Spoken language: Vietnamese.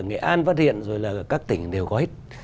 nghệ an phát hiện rồi là các tỉnh đều có hết